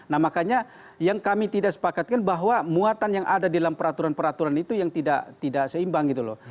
nah makanya yang kami tidak sepakatkan bahwa muatan yang ada dalam peraturan peraturan itu yang tidak seimbang gitu loh